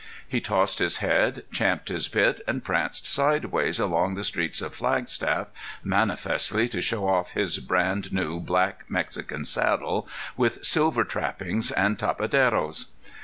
He tossed his head, champed his bit, and pranced sideways along the streets of Flagstaff, manifestly to show off his brand new black Mexican saddle, with silver trappings and tapaderos.